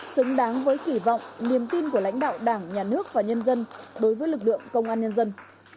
xứng đáng với kỳ vọng niềm tin của lãnh đạo đảng nhà nước và nhân dân đối với lực lượng công an nhân dân